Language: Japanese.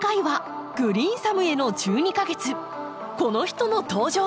この人の登場です！